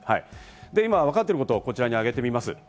今わかっていることをこちらに挙げています。